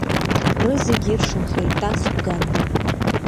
Рызегь иршанхеит Тас Бганба.